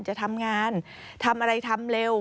จะทำงานทำอะไรทำเร็ว